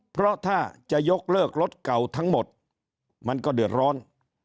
เพราะถ้าจะยกเลิกรถเก่าทั้งหมดมันก็เดือดร้อน